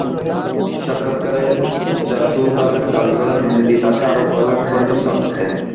সাক্ষাত্কারে জাশোদাবেন দাবি করেন, মোদি তাঁকে আরও পড়ালেখা করার জন্য চাপ দিতেন।